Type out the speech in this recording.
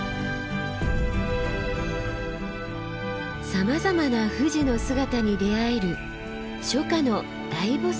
さまざまな富士の姿に出会える初夏の大菩嶺です。